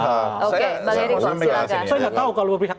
oke pak ferry saya enggak tahu kalau berpihak